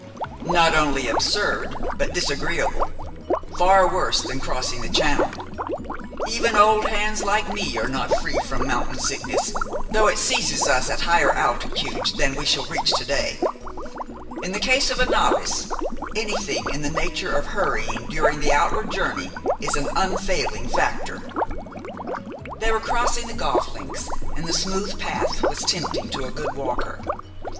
"Not only absurd but disagreeable, far worse than crossing the Channel. Even old hands like me are not free from mountain sickness, though it seizes us at higher altitudes than we shall reach to day. In the case of a novice, anything in the nature of hurrying during the outward journey is an unfailing factor." They were crossing the golf links, and the smooth path was tempting to a good walker.